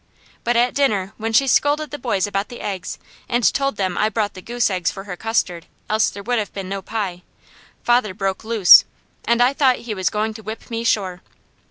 But at dinner when she scolded the boys about the eggs, and told them I brought the goose eggs for her custard, else there would have been no pie, father broke loose, and I thought he was going to whip me sure.